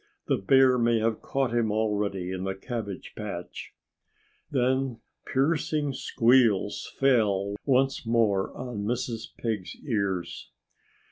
"The bear may have caught him already, in the cabbage patch." Then piercing squeals fell once more on Mrs. Pig's ears.